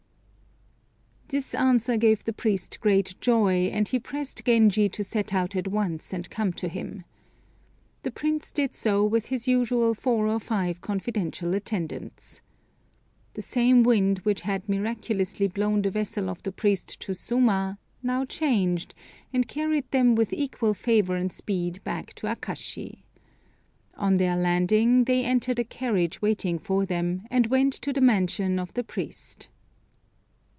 This answer gave the priest great joy, and he pressed Genji to set out at once and come to him. The Prince did so with his usual four or five confidential attendants. The same wind which had miraculously blown the vessel of the priest to Suma now changed, and carried them with equal favor and speed back to Akashi. On their landing they entered a carriage waiting for them, and went to the mansion of the priest.